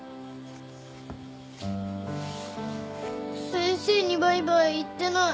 先生にバイバイ言ってない。